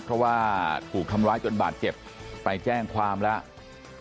เพราะว่าถูกทำร้ายจนบาดเจ็บไปแจ้งความแล้ว